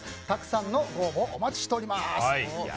たくさんのご応募をお待ちしております。